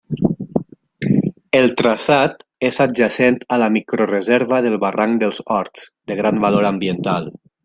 El traçat és adjacent a la microreserva del barranc dels Horts, de gran valor ambiental.